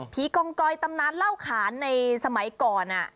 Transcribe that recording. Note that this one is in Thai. กองกอยตำนานเล่าขานในสมัยก่อน